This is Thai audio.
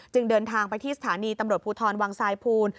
เดินทางไปที่สถานีตำรวจภูทรวังทรายภูล